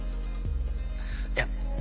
いや。